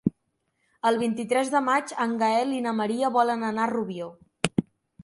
El vint-i-tres de maig en Gaël i na Maria volen anar a Rubió.